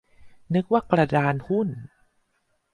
นึกว่ากระดานหุ้น